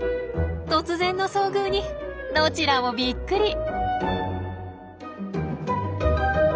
突然の遭遇にどちらもびっくり。